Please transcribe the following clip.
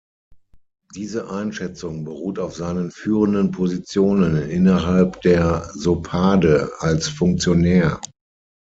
Diese Einschätzung beruht auf seinen führenden Positionen innerhalb der Sopade als Funktionär.